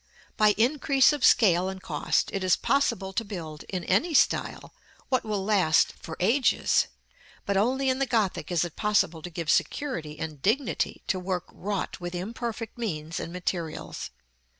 By increase of scale and cost, it is possible to build, in any style, what will last for ages; but only in the Gothic is it possible to give security and dignity to work wrought with imperfect means and materials.